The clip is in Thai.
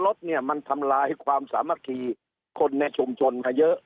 รถเนี่ยมันทำลายความสามัคคีคนในชุมชนมาเยอะ